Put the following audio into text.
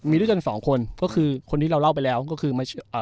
มีด้วยกันสองคนก็คือคนที่เราเล่าไปแล้วก็คือมาอ่า